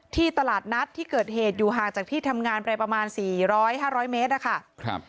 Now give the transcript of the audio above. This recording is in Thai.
ตลาดนัดที่เกิดเหตุอยู่ห่างจากที่ทำงานไปประมาณ๔๐๐๕๐๐เมตรนะคะ